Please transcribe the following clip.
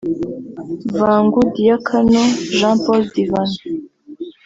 Vangu Diakanu Jean Paul Divano